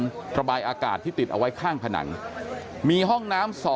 ระบายอากาศที่ติดเอาไว้ข้างผนังมีห้องน้ำ๒